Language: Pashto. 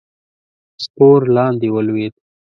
سپور لاندې ولوېد.